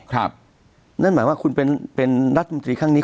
ครับอเศษนนนั่นหมายว่าเป็หนัศบุตรีข้างนี้